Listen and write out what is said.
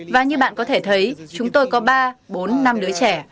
và như bạn có thể thấy chúng tôi có ba bốn năm đứa trẻ